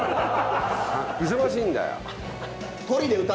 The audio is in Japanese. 忙しいんだよ。